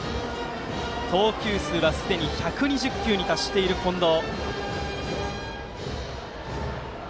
投球数はすでに１２０球に達している近藤。